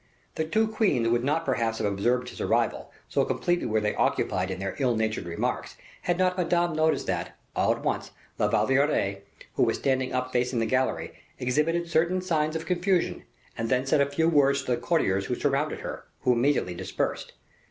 The two queens would not perhaps have observed his arrival, so completely were they occupied in their ill natured remarks, had not Madame noticed that, all at once, La Valliere, who was standing up facing the gallery, exhibited certain signs of confusion, and then said a few words to the courtiers who surrounded her, who immediately dispersed.